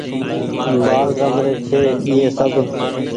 بآل رمري ڇي ايئي سب ۔